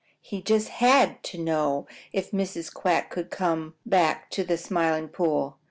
He just HAD to know if Mrs. Quack would come back to the Smiling Pool.